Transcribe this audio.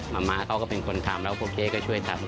มาม้าเขาก็เป็นคนทำแล้วโอเคก็ช่วยทำ